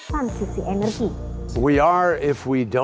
serta melakukan transisi energi